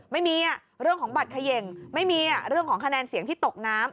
ไม่มีเรื่องของบัตรเขย่งไม่มีเรื่องของคะแนนเสียงที่ตกน้ำ